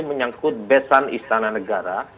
menyangkut besan istana negara